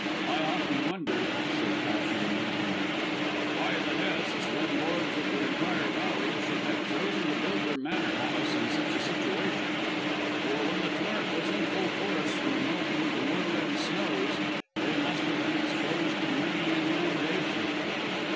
I often wondered," said Towton musingly, "why the Hests, when lords of the entire valley, should have chosen to build their manor house in such a situation; for, when the torrent was in full force from the melting of the moorland snows, they must have been exposed to many an inundation."